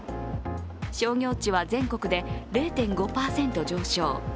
商業地は全国で０．５％上昇。